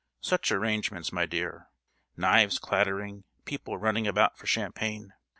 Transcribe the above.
Such arrangements, my dear. Knives clattering, people running about for champagne.